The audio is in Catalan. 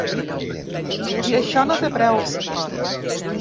I això no té preu.